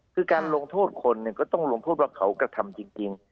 คือการลงโทษคนก็ต้องลงโทษว่าเขากระทำจริง